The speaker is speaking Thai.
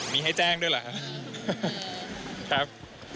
มีให้แจ้งด้วยเหรอครับ